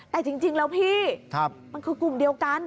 แต่จริงแล้วพี่มันคือกลุ่มเดียวกัน